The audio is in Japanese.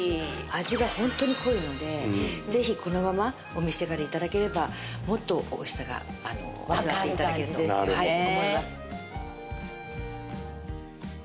味がホントに濃いのでぜひこのままお召し上がり頂ければもっとおいしさが味わって頂けると思います。